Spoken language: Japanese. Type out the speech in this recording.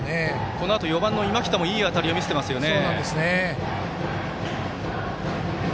このあと４番の今北もいい当たりを見せていますよね。